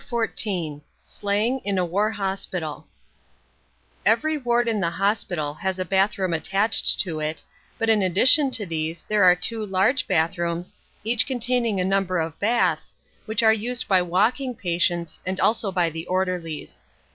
XIV SLANG IN A WAR HOSPITAL Every ward in the hospital has a bathroom attached to it, but in addition to these there are two large bathrooms, each containing a number of baths, which are used by walking patients and also by the orderlies.